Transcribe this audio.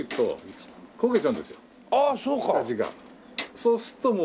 そうするともう。